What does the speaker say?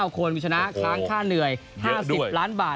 ๑๙คนคุณชนะคล้างค่าเหนื่อย๕๐ล้านบาท